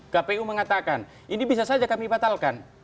kpu mengatakan ini bisa saja kami batalkan